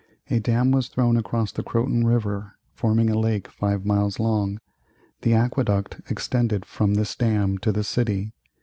A dam was thrown across the Croton River, forming a lake five miles long. The aqueduct extended from this dam to the city.